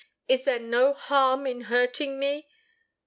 Is there no harm in hurting me?"